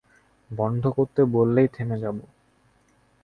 বন্ধ করতে বললেই থেমে যাবো।